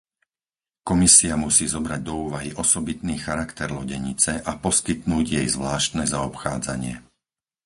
Komisia musí zobrať do úvahy osobitný charakter lodenice a poskytnúť jej zvláštne zaobchádzanie.